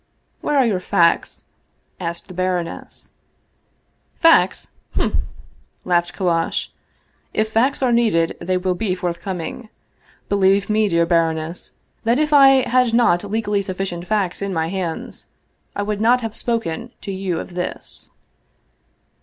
" Where are your facts ?" asked the baroness. "Facts? Hm!" laughed Kallash. " If facts are needed, they will be forthcoming. Believe me, dear baroness, that if I had not legally sufficient facts in my hands, I would not have spoken to you of this."